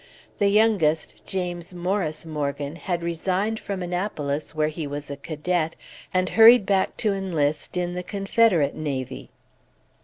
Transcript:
The youngest, James Morris Morgan, had resigned from Annapolis, where he was a cadet, and hurried back to enlist in the Confederate navy.